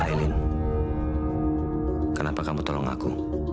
elin kenapa kamu tolong aku